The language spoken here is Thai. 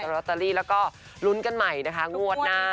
ลอตเตอรี่แล้วก็ลุ้นกันใหม่นะคะงวดหน้า